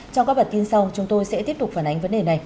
trong các bản tin sau chúng tôi sẽ tiếp tục phản ánh vấn đề này